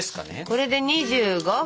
これで２５分。